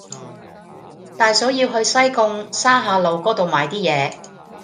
大嫂要去西貢沙下路嗰度買啲嘢